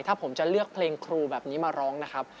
ถ้าผมจะเลือกเพลงครูแบบนี้มาร้องนะครับ